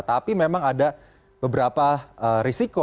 tapi memang ada beberapa risiko